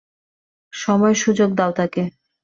সময়সুযোগ দাও তাকে।